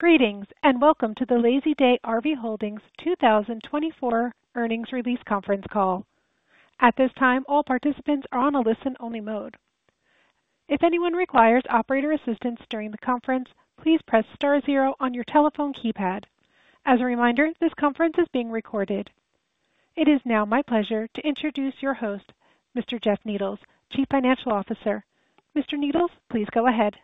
Greetings and welcome to the Lazydays Holdings 2024 earnings release conference call. At this time, all participants are on a listen-only mode. If anyone requires operator assistance during the conference, please press star zero on your telephone keypad. As a reminder, this conference is being recorded. It is now my pleasure to introduce your host, Mr. Jeff Needles, Chief Financial Officer. Mr. Needles, please go ahead.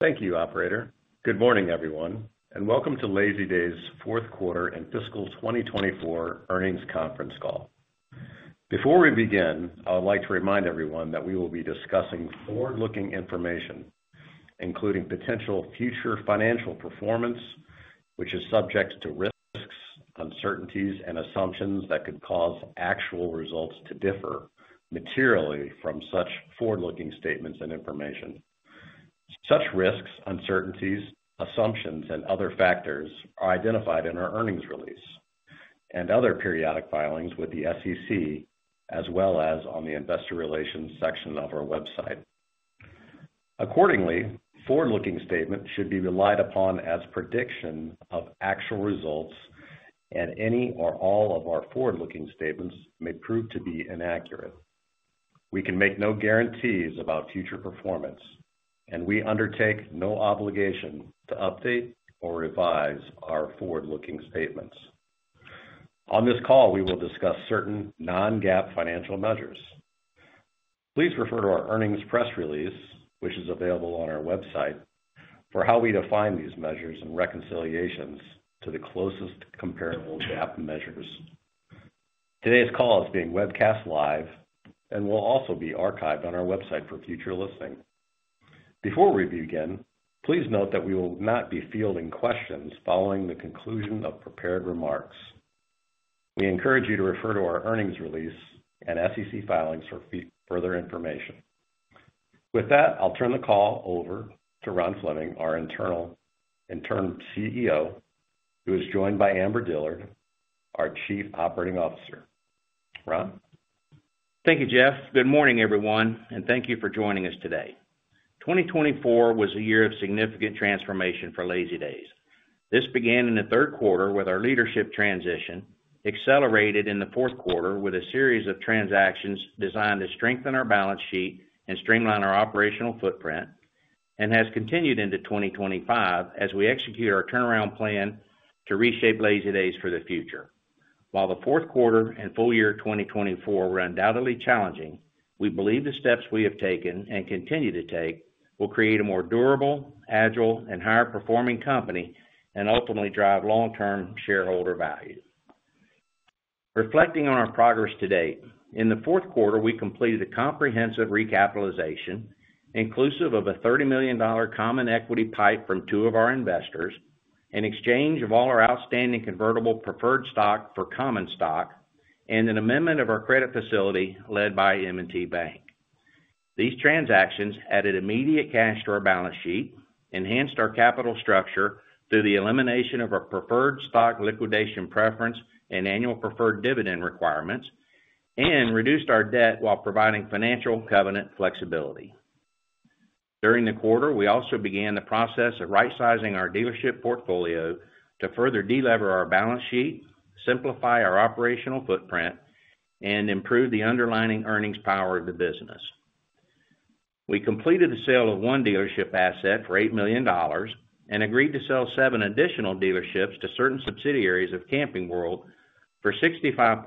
Thank you, Operator. Good morning, everyone, and welcome to Lazydays fourth quarter and fiscal 2024 earnings conference call. Before we begin, I would like to remind everyone that we will be discussing forward-looking information, including potential future financial performance, which is subject to risks, uncertainties, and assumptions that could cause actual results to differ materially from such forward-looking statements and information. Such risks, uncertainties, assumptions, and other factors are identified in our earnings release and other periodic filings with the SEC, as well as on the investor relations section of our website. Accordingly, forward-looking statements should be relied upon as prediction of actual results, and any or all of our forward-looking statements may prove to be inaccurate. We can make no guarantees about future performance, and we undertake no obligation to update or revise our forward-looking statements. On this call, we will discuss certain non-GAAP financial measures. Please refer to our earnings press release, which is available on our website, for how we define these measures and reconciliations to the closest comparable GAAP measures. Today's call is being webcast live and will also be archived on our website for future listening. Before we begin, please note that we will not be fielding questions following the conclusion of prepared remarks. We encourage you to refer to our earnings release and SEC filings for further information. With that, I'll turn the call over to Ron Fleming, our Interim CEO, who is joined by Amber Dillard, our Chief Operating Officer. Ron? Thank you, Jeff. Good morning, everyone, and thank you for joining us today. 2024 was a year of significant transformation for Lazydays. This began in the third quarter with our leadership transition, accelerated in the fourth quarter with a series of transactions designed to strengthen our balance sheet and streamline our operational footprint, and has continued into 2025 as we execute our turnaround plan to reshape Lazydays for the future. While the fourth quarter and full year 2024 were undoubtedly challenging, we believe the steps we have taken and continue to take will create a more durable, agile, and higher-performing company and ultimately drive long-term shareholder value. Reflecting on our progress to date, in the fourth quarter, we completed a comprehensive recapitalization inclusive of a $30 million common equity PIPE from two of our investors, an exchange of all our outstanding convertible preferred stock for common stock, and an amendment of our credit facility led by M&T Bank. These transactions added immediate cash to our balance sheet, enhanced our capital structure through the elimination of our preferred stock liquidation preference and annual preferred dividend requirements, and reduced our debt while providing financial covenant flexibility. During the quarter, we also began the process of right-sizing our dealership portfolio to further delever our balance sheet, simplify our operational footprint, and improve the underlying earnings power of the business. We completed the sale of one dealership asset for $8 million and agreed to sell seven additional dealerships to certain subsidiaries of Camping World for $65.5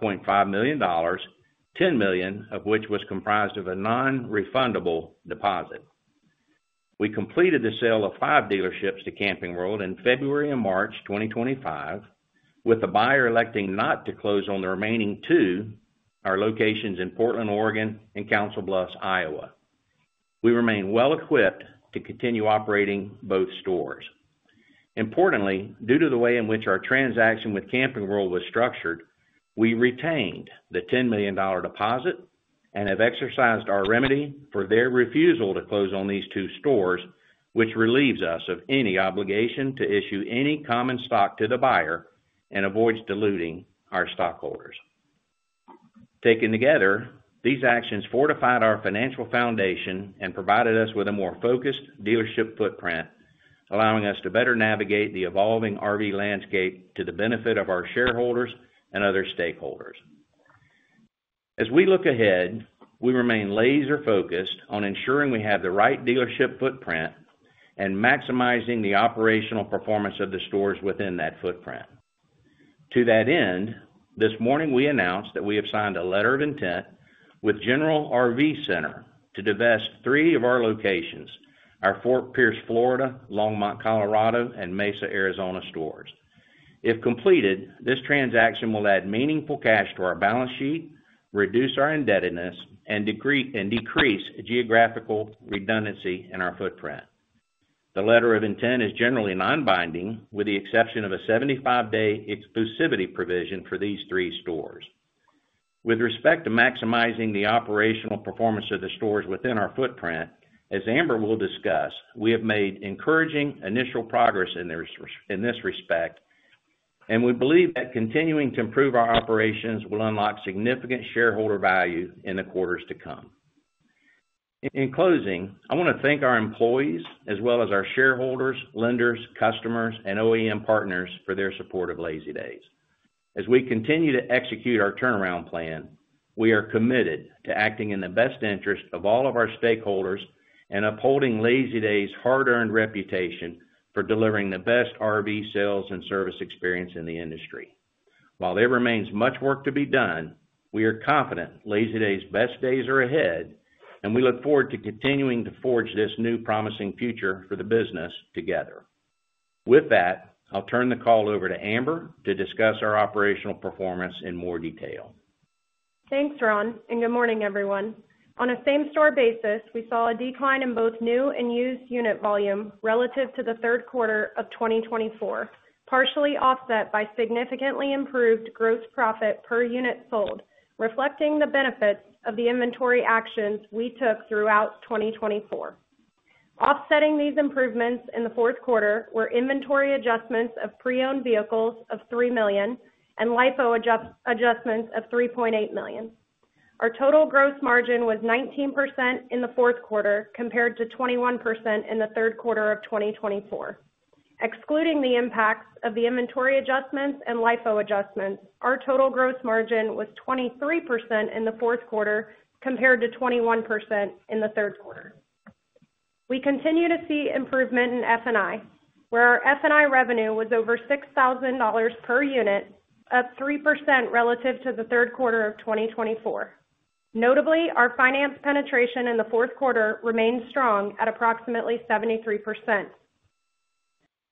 million, $10 million of which was comprised of a non-refundable deposit. We completed the sale of five dealerships to Camping World in February and March 2025, with the buyer electing not to close on the remaining two, our locations in Portland, Oregon, and Council Bluffs, Iowa. We remain well equipped to continue operating both stores. Importantly, due to the way in which our transaction with Camping World was structured, we retained the $10 million deposit and have exercised our remedy for their refusal to close on these two stores, which relieves us of any obligation to issue any common stock to the buyer and avoids diluting our stockholders. Taken together, these actions fortified our financial foundation and provided us with a more focused dealership footprint, allowing us to better navigate the evolving RV landscape to the benefit of our shareholders and other stakeholders. As we look ahead, we remain laser-focused on ensuring we have the right dealership footprint and maximizing the operational performance of the stores within that footprint. To that end, this morning we announced that we have signed a letter of intent with General RV Center to divest three of our locations: our Fort Pierce, Florida; Longmont, Colorado; and Mesa, Arizona stores. If completed, this transaction will add meaningful cash to our balance sheet, reduce our indebtedness, and decrease geographical redundancy in our footprint. The letter of intent is generally non-binding, with the exception of a 75-day exclusivity provision for these three stores. With respect to maximizing the operational performance of the stores within our footprint, as Amber will discuss, we have made encouraging initial progress in this respect, and we believe that continuing to improve our operations will unlock significant shareholder value in the quarters to come. In closing, I want to thank our employees, as well as our shareholders, lenders, customers, and OEM partners for their support of Lazydays. As we continue to execute our turnaround plan, we are committed to acting in the best interest of all of our stakeholders and upholding Lazydays' hard-earned reputation for delivering the best RV sales and service experience in the industry. While there remains much work to be done, we are confident Lazydays' best days are ahead, and we look forward to continuing to forge this new promising future for the business together. With that, I'll turn the call over to Amber to discuss our operational performance in more detail. Thanks, Ron, and good morning, everyone. On a same-store basis, we saw a decline in both new and used unit volume relative to the third quarter of 2024, partially offset by significantly improved gross profit per unit sold, reflecting the benefits of the inventory actions we took throughout 2024. Offsetting these improvements in the fourth quarter were inventory adjustments of pre-owned vehicles of $3 million and LIFO adjustments of $3.8 million. Our total gross margin was 19% in the fourth quarter compared to 21% in the third quarter of 2024. Excluding the impacts of the inventory adjustments and LIFO adjustments, our total gross margin was 23% in the fourth quarter compared to 21% in the third quarter. We continue to see improvement in F&I, where our F&I revenue was over $6,000 per unit, up 3% relative to the third quarter of 2024. Notably, our finance penetration in the fourth quarter remained strong at approximately 73%.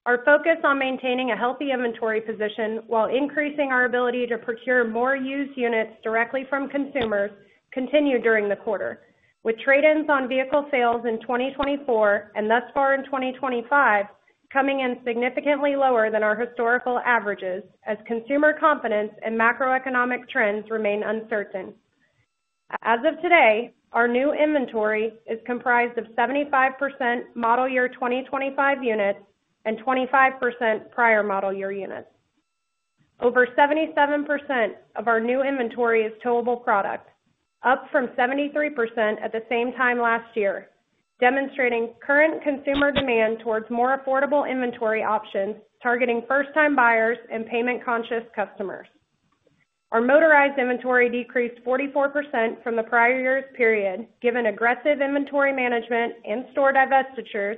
Our focus on maintaining a healthy inventory position while increasing our ability to procure more used units directly from consumers continued during the quarter, with trade-ins on vehicle sales in 2024 and thus far in 2025 coming in significantly lower than our historical averages as consumer confidence and macroeconomic trends remain uncertain. As of today, our new inventory is comprised of 75% model year 2025 units and 25% prior model year units. Over 77% of our new inventory is towable product, up from 73% at the same time last year, demonstrating current consumer demand towards more affordable inventory options targeting first-time buyers and payment-conscious customers. Our motorized inventory decreased 44% from the prior year's period, given aggressive inventory management and store divestitures,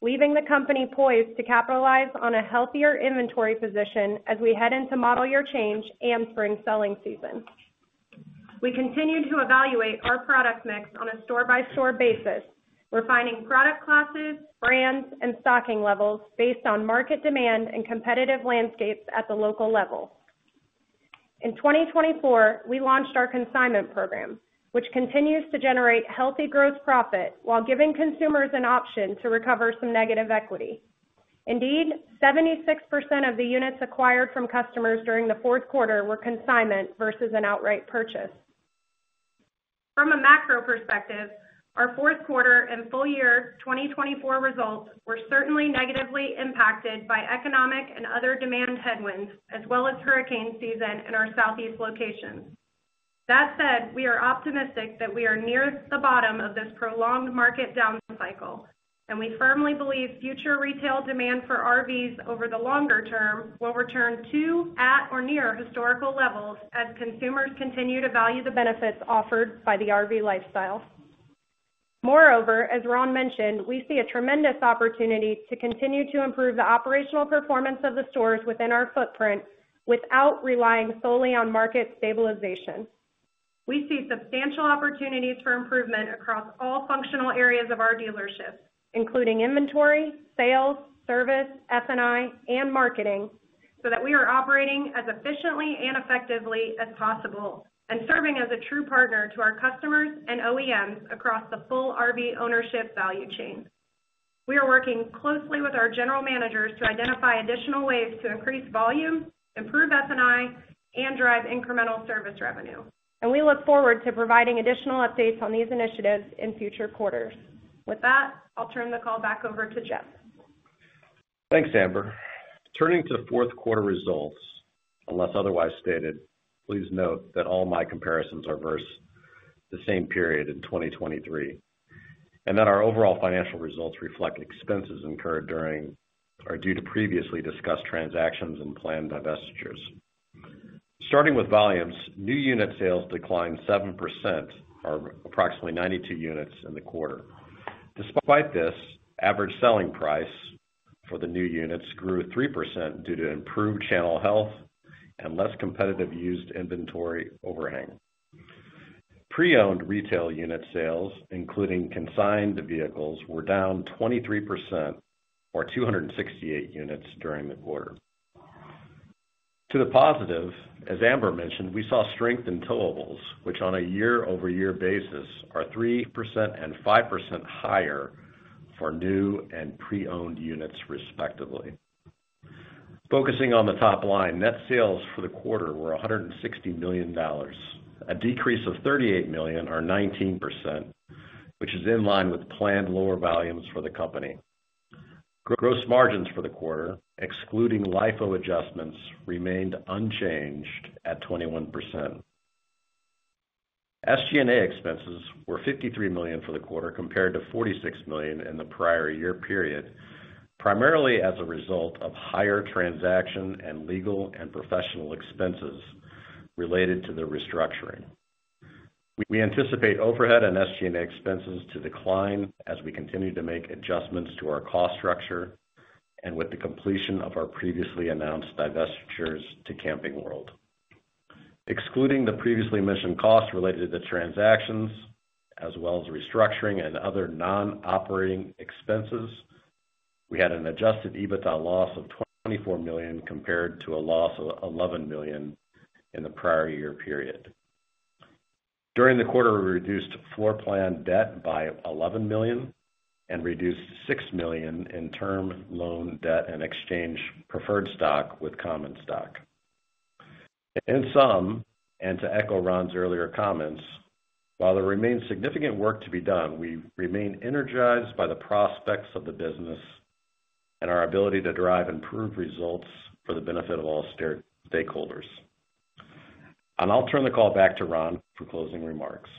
leaving the company poised to capitalize on a healthier inventory position as we head into model year change and spring selling season. We continue to evaluate our product mix on a store-by-store basis, refining product classes, brands, and stocking levels based on market demand and competitive landscapes at the local level. In 2024, we launched our consignment program, which continues to generate healthy gross profit while giving consumers an option to recover some negative equity. Indeed, 76% of the units acquired from customers during the fourth quarter were consignment versus an outright purchase. From a macro perspective, our fourth quarter and full year 2024 results were certainly negatively impacted by economic and other demand headwinds, as well as hurricane season in our southeast locations. That said, we are optimistic that we are near the bottom of this prolonged market down cycle, and we firmly believe future retail demand for RVs over the longer term will return to, at, or near historical levels as consumers continue to value the benefits offered by the RV lifestyle. Moreover, as Ron mentioned, we see a tremendous opportunity to continue to improve the operational performance of the stores within our footprint without relying solely on market stabilization. We see substantial opportunities for improvement across all functional areas of our dealership, including inventory, sales, service, F&I, and marketing, so that we are operating as efficiently and effectively as possible and serving as a true partner to our customers and OEMs across the full RV ownership value chain. We are working closely with our general managers to identify additional ways to increase volume, improve F&I, and drive incremental service revenue. We look forward to providing additional updates on these initiatives in future quarters. With that, I'll turn the call back over to Jeff. Thanks, Amber. Turning to fourth quarter results, unless otherwise stated, please note that all my comparisons are versus the same period in 2023, and that our overall financial results reflect expenses incurred during or due to previously discussed transactions and planned divestitures. Starting with volumes, new unit sales declined 7%, or approximately 92 units in the quarter. Despite this, average selling price for the new units grew 3% due to improved channel health and less competitive used inventory overhang. Pre-owned retail unit sales, including consigned vehicles, were down 23%, or 268 units during the quarter. To the positive, as Amber mentioned, we saw strength in towables, which on a year-over-year basis are 3% and 5% higher for new and pre-owned units, respectively. Focusing on the top line, net sales for the quarter were $160 million, a decrease of $38 million, or 19%, which is in line with planned lower volumes for the company. Gross margins for the quarter, excluding LIFO adjustments, remained unchanged at 21%. SG&A expenses were $53 million for the quarter compared to $46 million in the prior year period, primarily as a result of higher transaction and legal and professional expenses related to the restructuring. We anticipate overhead and SG&A expenses to decline as we continue to make adjustments to our cost structure and with the completion of our previously announced divestitures to Camping World. Excluding the previously mentioned costs related to the transactions, as well as restructuring and other non-operating expenses, we had an adjusted EBITDA loss of $24 million compared to a loss of $11 million in the prior year period. During the quarter, we reduced floor plan debt by $11 million and reduced $6 million in term loan debt and exchanged preferred stock with common stock. In sum, to echo Ron's earlier comments, while there remains significant work to be done, we remain energized by the prospects of the business and our ability to drive improved results for the benefit of all stakeholders. I'll turn the call back to Ron for closing remarks.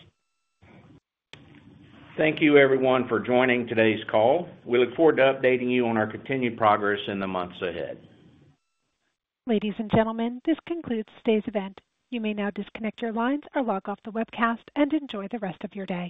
Thank you, everyone, for joining today's call. We look forward to updating you on our continued progress in the months ahead. Ladies and gentlemen, this concludes today's event. You may now disconnect your lines or log off the webcast and enjoy the rest of your day.